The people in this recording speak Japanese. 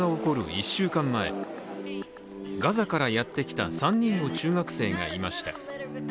１週間前ガザからやってきた３人の中学生がいました。